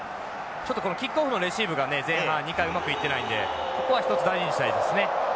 ちょっとこのキックオフのレシーブがね前半２回うまくいってないんでここは一つ大事にしたいですね。